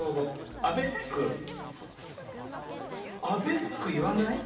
アベック、言わない？